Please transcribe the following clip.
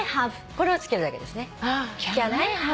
これを付けるだけですね。